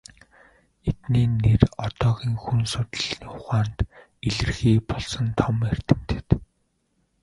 Эдний нэр одоогийн хүн судлалын ухаанд илэрхий болсон том эрдэмтэд.